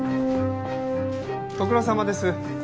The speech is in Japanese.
ご苦労さまです。